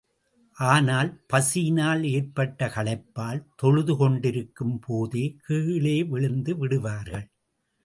ஆனால் பசியினால் ஏற்பட்ட களைப்பால் தொழுது கொண்டிருக்கும் போதே, கீழே விழுந்து விடுவார்கள்.